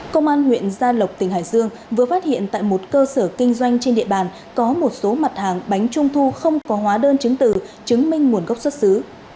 công an huyện gia lộc tỉnh hải dương vừa phát hiện tại một cơ sở kinh doanh trên địa bàn có một số mặt hàng bánh trung thu không có hóa đơn chứng từ chứng minh nguồn gốc xuất xứ